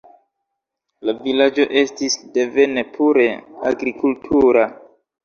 La vilaĝo estis devene pure agrikultura.